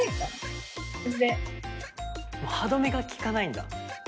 歯止めがきかないんだ。